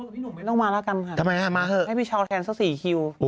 พี่หนุ่มไม่ต้องมาแล้วกันค่ะให้พี่เช้าแทนสัก๔คิวมาเถอะ